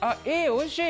おいしい！